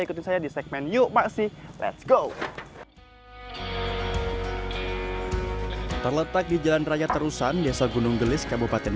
ikuti saya di segmen yukmaksi let's go terletak di jalan raya terusan desa gunung gelis kabupaten